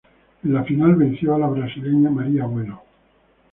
En la final, venció a la brasileña Maria Bueno.